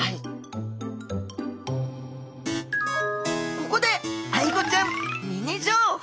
ここでアイゴちゃんミニ情報。